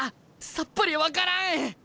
さっぱり分からん！